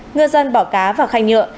ngư dân bỏ cá vào khai nhựa